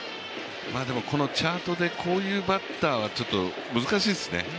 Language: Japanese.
このチャートでこういうバッターは難しいですね。